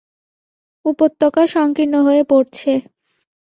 উপত্যকা সংকীর্ণ হয়ে পড়ছে।